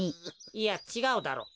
いやちがうだろ。